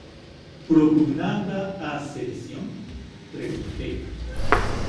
Propugnaba a sedición? −preguntei.